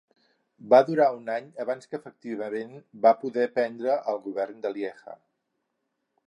Va durar un any abans que efectivament va poder prendre el govern de Lieja.